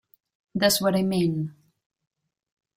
That's what I mean.